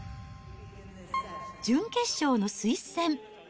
準決勝のスイス戦。